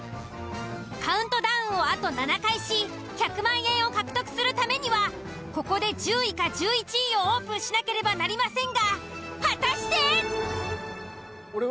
カウントダウンをあと７回し１００万円を獲得するためにはここで１０位か１１位をオープンしなければなりませんが果たして！？